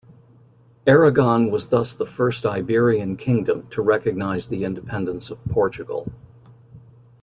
Aragon was thus the first Iberian kingdom to recognize the independence of Portugal.